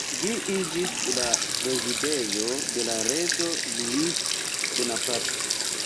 Ĝi iĝis la rezidejo de la reĝo Louis Bonaparte.